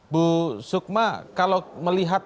bu sukma kalau melihat